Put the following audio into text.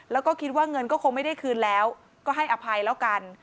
แล้วก็คิดว่าเงินก็คงไม่ได้คืนแล้วก็ให้อภัยแล้วกัน